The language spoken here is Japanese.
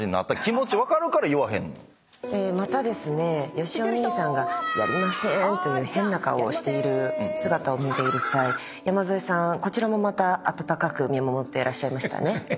よしお兄さんが「やりませーん」という変な顔をしている姿を見ている際山添さんこちらもまた温かく見守っていらっしゃいましたね。